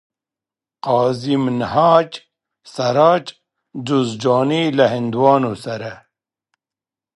قاضي منهاج سراج جوزجاني له هندوانو سره